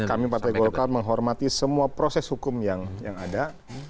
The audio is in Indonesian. kami partai golkar menghormati semua proses hukum yang ada